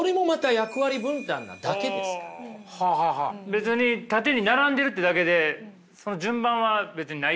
別に縦に並んでるってだけで順番は別にないと。